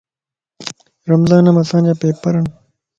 رمضانم اسانجا پيپرن